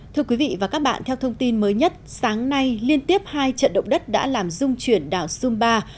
thưa quý vị và các bạn theo thông tin mới nhất sáng nay liên tiếp hai trận động đất đã làm dung chuyển đảo sumba